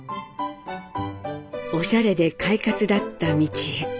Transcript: おしゃれで快活だった美智榮。